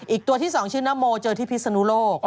อีกตัวที่๒ชื่อนโมเจอที่พิศนุโลก